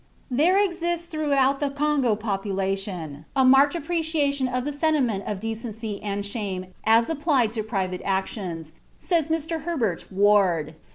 "There exists throughout the Congo population a marked appreciation of the sentiment of decency and shame as applied to private actions," says Mr. Herbert Ward.